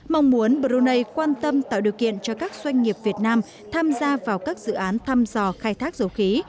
mong muốn brunei quan tâm tạo điều kiện cho các doanh nghiệp việt nam tham gia vào các dự án thăm dò khai thác dầu khí